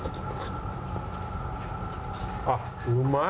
あっうまい。